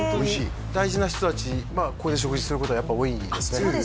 大事な人達ここで食事することがやっぱ多いですね